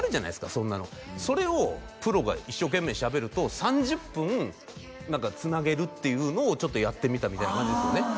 そんなのそれをプロが一生懸命しゃべると３０分つなげるっていうのをちょっとやってみたみたいな感じですよね